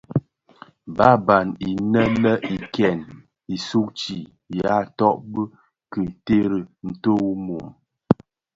Bààban inë le i ken, i sugtii, yaa tôg bì ki teri ntó wu mum.